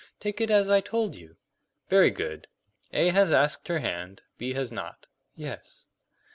Take it as I told you." "Very good. A has asked her hand, B has not." "Yes."